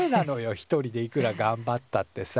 一人でいくらがんばったってさ。